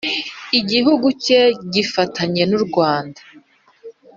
igihugu cye gifitanye n u Rwanda